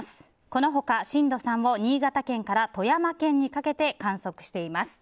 この他、震度３を新潟県から富山県にかけて観測しています。